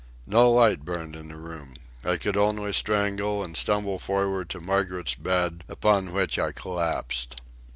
No light burned in the room. I could only strangle and stumble for'ard to Margaret's bed, upon which I collapsed.